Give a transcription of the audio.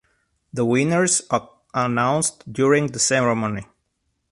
The winners were announced during the ceremony.